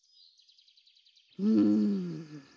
うん。